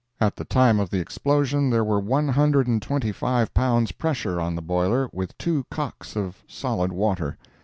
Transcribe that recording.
At the time of the explosion there were one hundred and twenty five pounds pressure on the boiler, with two cocks of solid water.